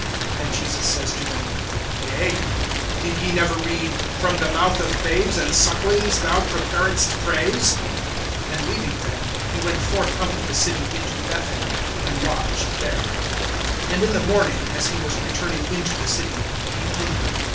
And Jesus says to them: Yea; did ye never read: From the mouth of babes and sucklings thou preparedst praise? (17)And leaving them, he went forth out of the city into Bethany, and lodged there. (18)And in the morning, as he was returning into the city, he hungered.